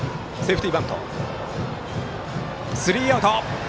スリーアウト。